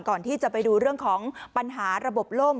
ก่อนที่จะไปดูเรื่องของปัญหาระบบล่ม